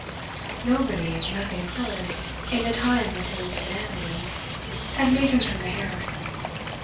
Nobody, nothing could, in the time of his inanity, have made him turn a hair.